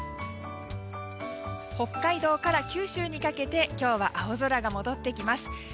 北海道から九州にかけて今日は青空が戻ってきます。